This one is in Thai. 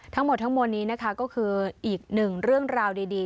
ทั้งหมดทั้งมวลนี้นะคะก็คืออีกหนึ่งเรื่องราวดี